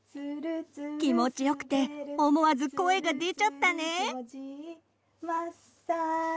気持ちよくて思わず声が出ちゃったね。